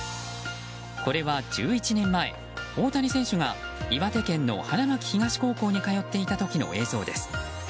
これは１１年前、大谷選手が岩手県の花巻東高校に通っていた時の映像です。